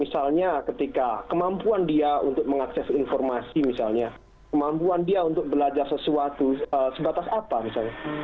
misalnya ketika kemampuan dia untuk mengakses informasi misalnya kemampuan dia untuk belajar sesuatu sebatas apa misalnya